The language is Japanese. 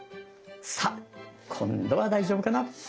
さっ今度は大丈夫かな？